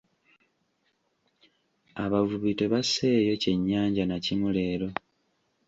Abavubi tebasseeyo ky'ennyanja na kimu leero.